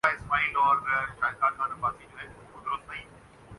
load shedding schedule کی خلاف ورزی پر متعدد افسران معطل